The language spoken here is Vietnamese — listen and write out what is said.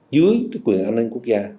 dưới cái quyền an ninh quốc gia